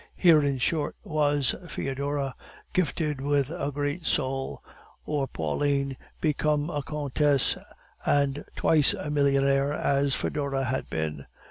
Here, in short, was Foedora, gifted with a great soul; or Pauline become a countess, and twice a millionaire, as Foedora had been.